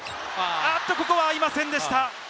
ここは合いませんでした。